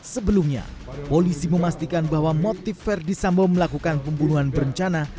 sebelumnya polisi memastikan bahwa motif verdi sambo melakukan pembunuhan berencana